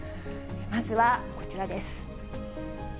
まずはこちらです。